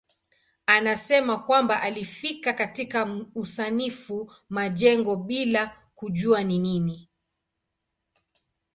Anasema kwamba alifika katika usanifu majengo bila kujua ni nini.